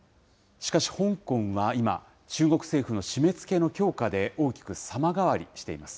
しかし香港は今、中国政府の締めつけの強化で大きく様変わりしています。